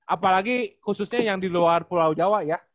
apalagi khususnya yang di luar pulau jawa ya